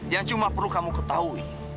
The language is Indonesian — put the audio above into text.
yang cuma perlu kamu ketahui